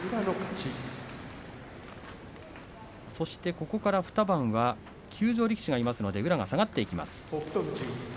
ここから２番は休場力士がいますので宇良が下がっていきます。